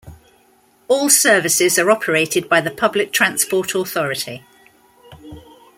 All services are operated by the Public Transport Authority.